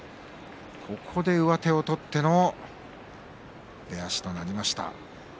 ここで上手を取っての出足となりました。